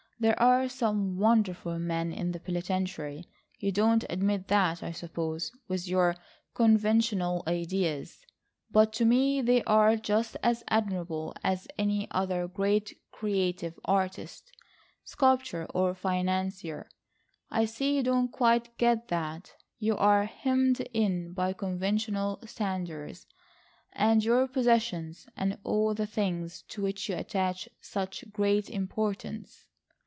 There are some wonderful men in the penitentiary. You don't admit that, I suppose, with your conventional ideas; but to me they are just as admirable as any other great creative artist,—sculptor or financier. I see you don't quite get that. You are hemmed in by conventional standards, and your possessions, and all the things to which you attach such great importance."